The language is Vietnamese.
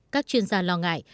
các chuyên gia lo ngại